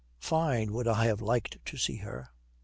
'Fine would I have liked to see her.'